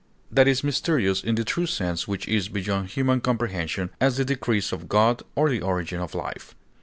That is mysterious in the true sense which is beyond human comprehension, as the decrees of God or the origin of life.